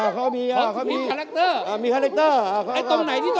เดี๋ยวเดี๋ยวเดี๋ยวเดี๋ยว